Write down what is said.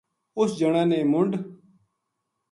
اُس جناں نے منڈھ